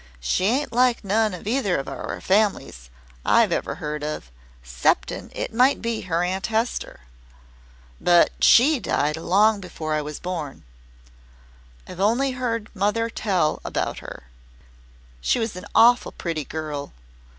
She ain't like none of either of our families I've ever heard of 'ceptin' it might be her Aunt Hester but SHE died long before I was born. I've only heard mother tell about her. She was a awful pretty girl.